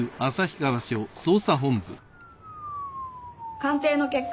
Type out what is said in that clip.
鑑定の結果